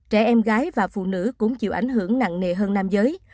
trẻ em gái và phụ nữ cũng chịu ảnh hưởng nặng nề hơn nam giới